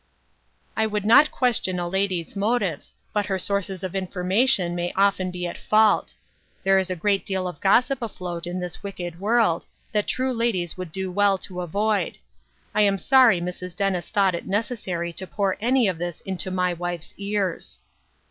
" I would not question a lady's motives, but her sources of information may often be at fault. 62 " FOREWARNED " AND " FOREARMED." There is a great deal of gossip afloat in this wicked world, that true ladies would do well to avoid. I am sorry Mrs. Dennis thought it necessary to pour any of this into my wife's ears."